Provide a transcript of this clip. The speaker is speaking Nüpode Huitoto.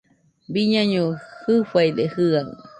Biñaiño jɨfaide jɨaɨ